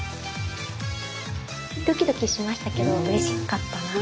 ドキドキしましたけどうれしかったな。